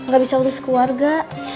gak bisa urus keluarga